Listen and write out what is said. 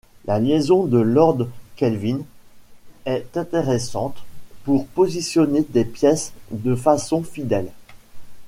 La liaison de Lord Kelvin est intéressante pour positionner des pièces de façon fidèle.